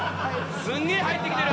すんげぇ入って来てる！